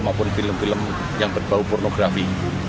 maupun film film yang berbau pornografi